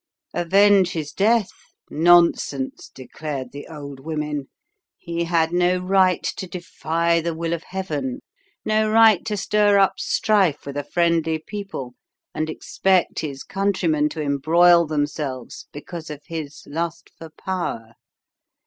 Avenge his death? Nonsense, declared the old women. He had no right to defy the will of Heaven, no right to stir up strife with a friendly people and expect his countrymen to embroil themselves because of his lust for power.